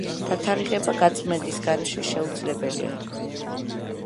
დათარიღება გაწმენდის გარეშე შეუძლებელია.